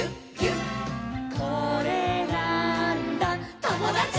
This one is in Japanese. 「これなーんだ『ともだち！』」